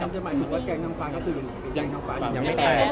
อเจมส์ก็ไม่ได้แตกนะ